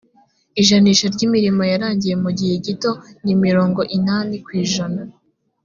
ijanisha ry’imirimo yarangiye mu gihe gito ni mirongo inani ku ijana